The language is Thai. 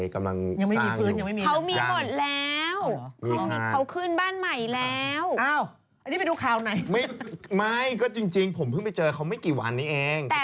๋อพรุ่งพรุ่งที่อันนี้เดี๋ยวพี่ก็กต้องไปเคลียร์กับพี่อีกท่านหนึ่ง